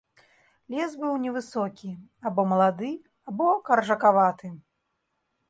Лес быў невысокі, або малады, або каржакаваты.